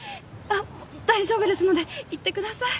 大丈夫ですので行ってください